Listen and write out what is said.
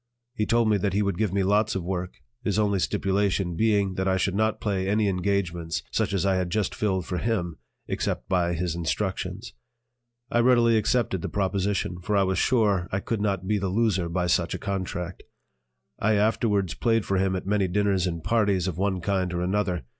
He told me that he would give me lots of work, his only stipulation being that I should not play any engagements such as I had just filled for him, except by his instructions. I readily accepted the proposition, for I was sure that I could not be the loser by such a contract. I afterwards played for him at many dinners and parties of one kind or another.